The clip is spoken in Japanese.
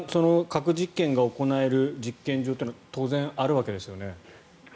核実験が行われる実験場というのは当然あるわけですよね。